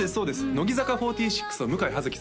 乃木坂４６の向井葉月さん